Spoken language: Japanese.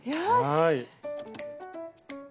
はい。